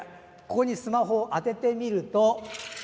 ここにスマホを当ててみると。